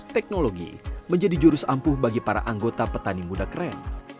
teknologi menjadi jurus ampuh bagi para anggota petani muda keren